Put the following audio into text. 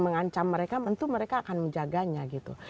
mengancam mereka tentu mereka akan menjaganya gitu